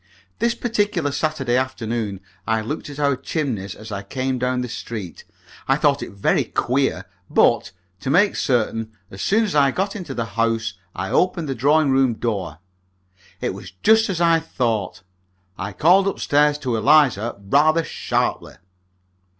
This particular Saturday afternoon I looked at our chimneys as I came down the street. I thought it very queer, but, to make certain, as soon as I got into the house I opened the drawing room door. It was just as I thought. I called up stairs to Eliza, rather sharply.